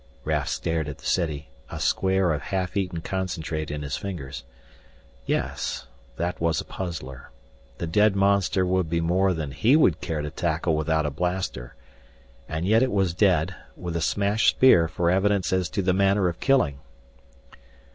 Raf stared at the city, a square of half eaten concentrate in his fingers. Yes, that was a puzzler. The dead monster would be more than he would care to tackle without a blaster. And yet it was dead, with a smashed spear for evidence as to the manner of killing.